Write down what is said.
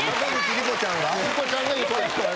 理子ちゃんが言ってる。